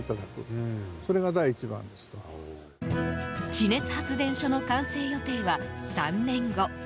地熱発電所の完成予定は３年後。